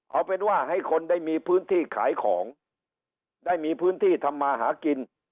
เอาเป็นว่าให้คนได้มีพื้นที่ขายของได้มีพื้นที่ทำมาหากิน